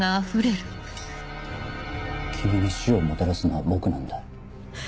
君に死をもたらすのは僕なんだ。